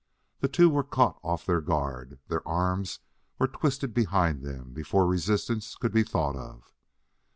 The two were caught off their guard; their arms were twisted behind them before resistance could be thought of.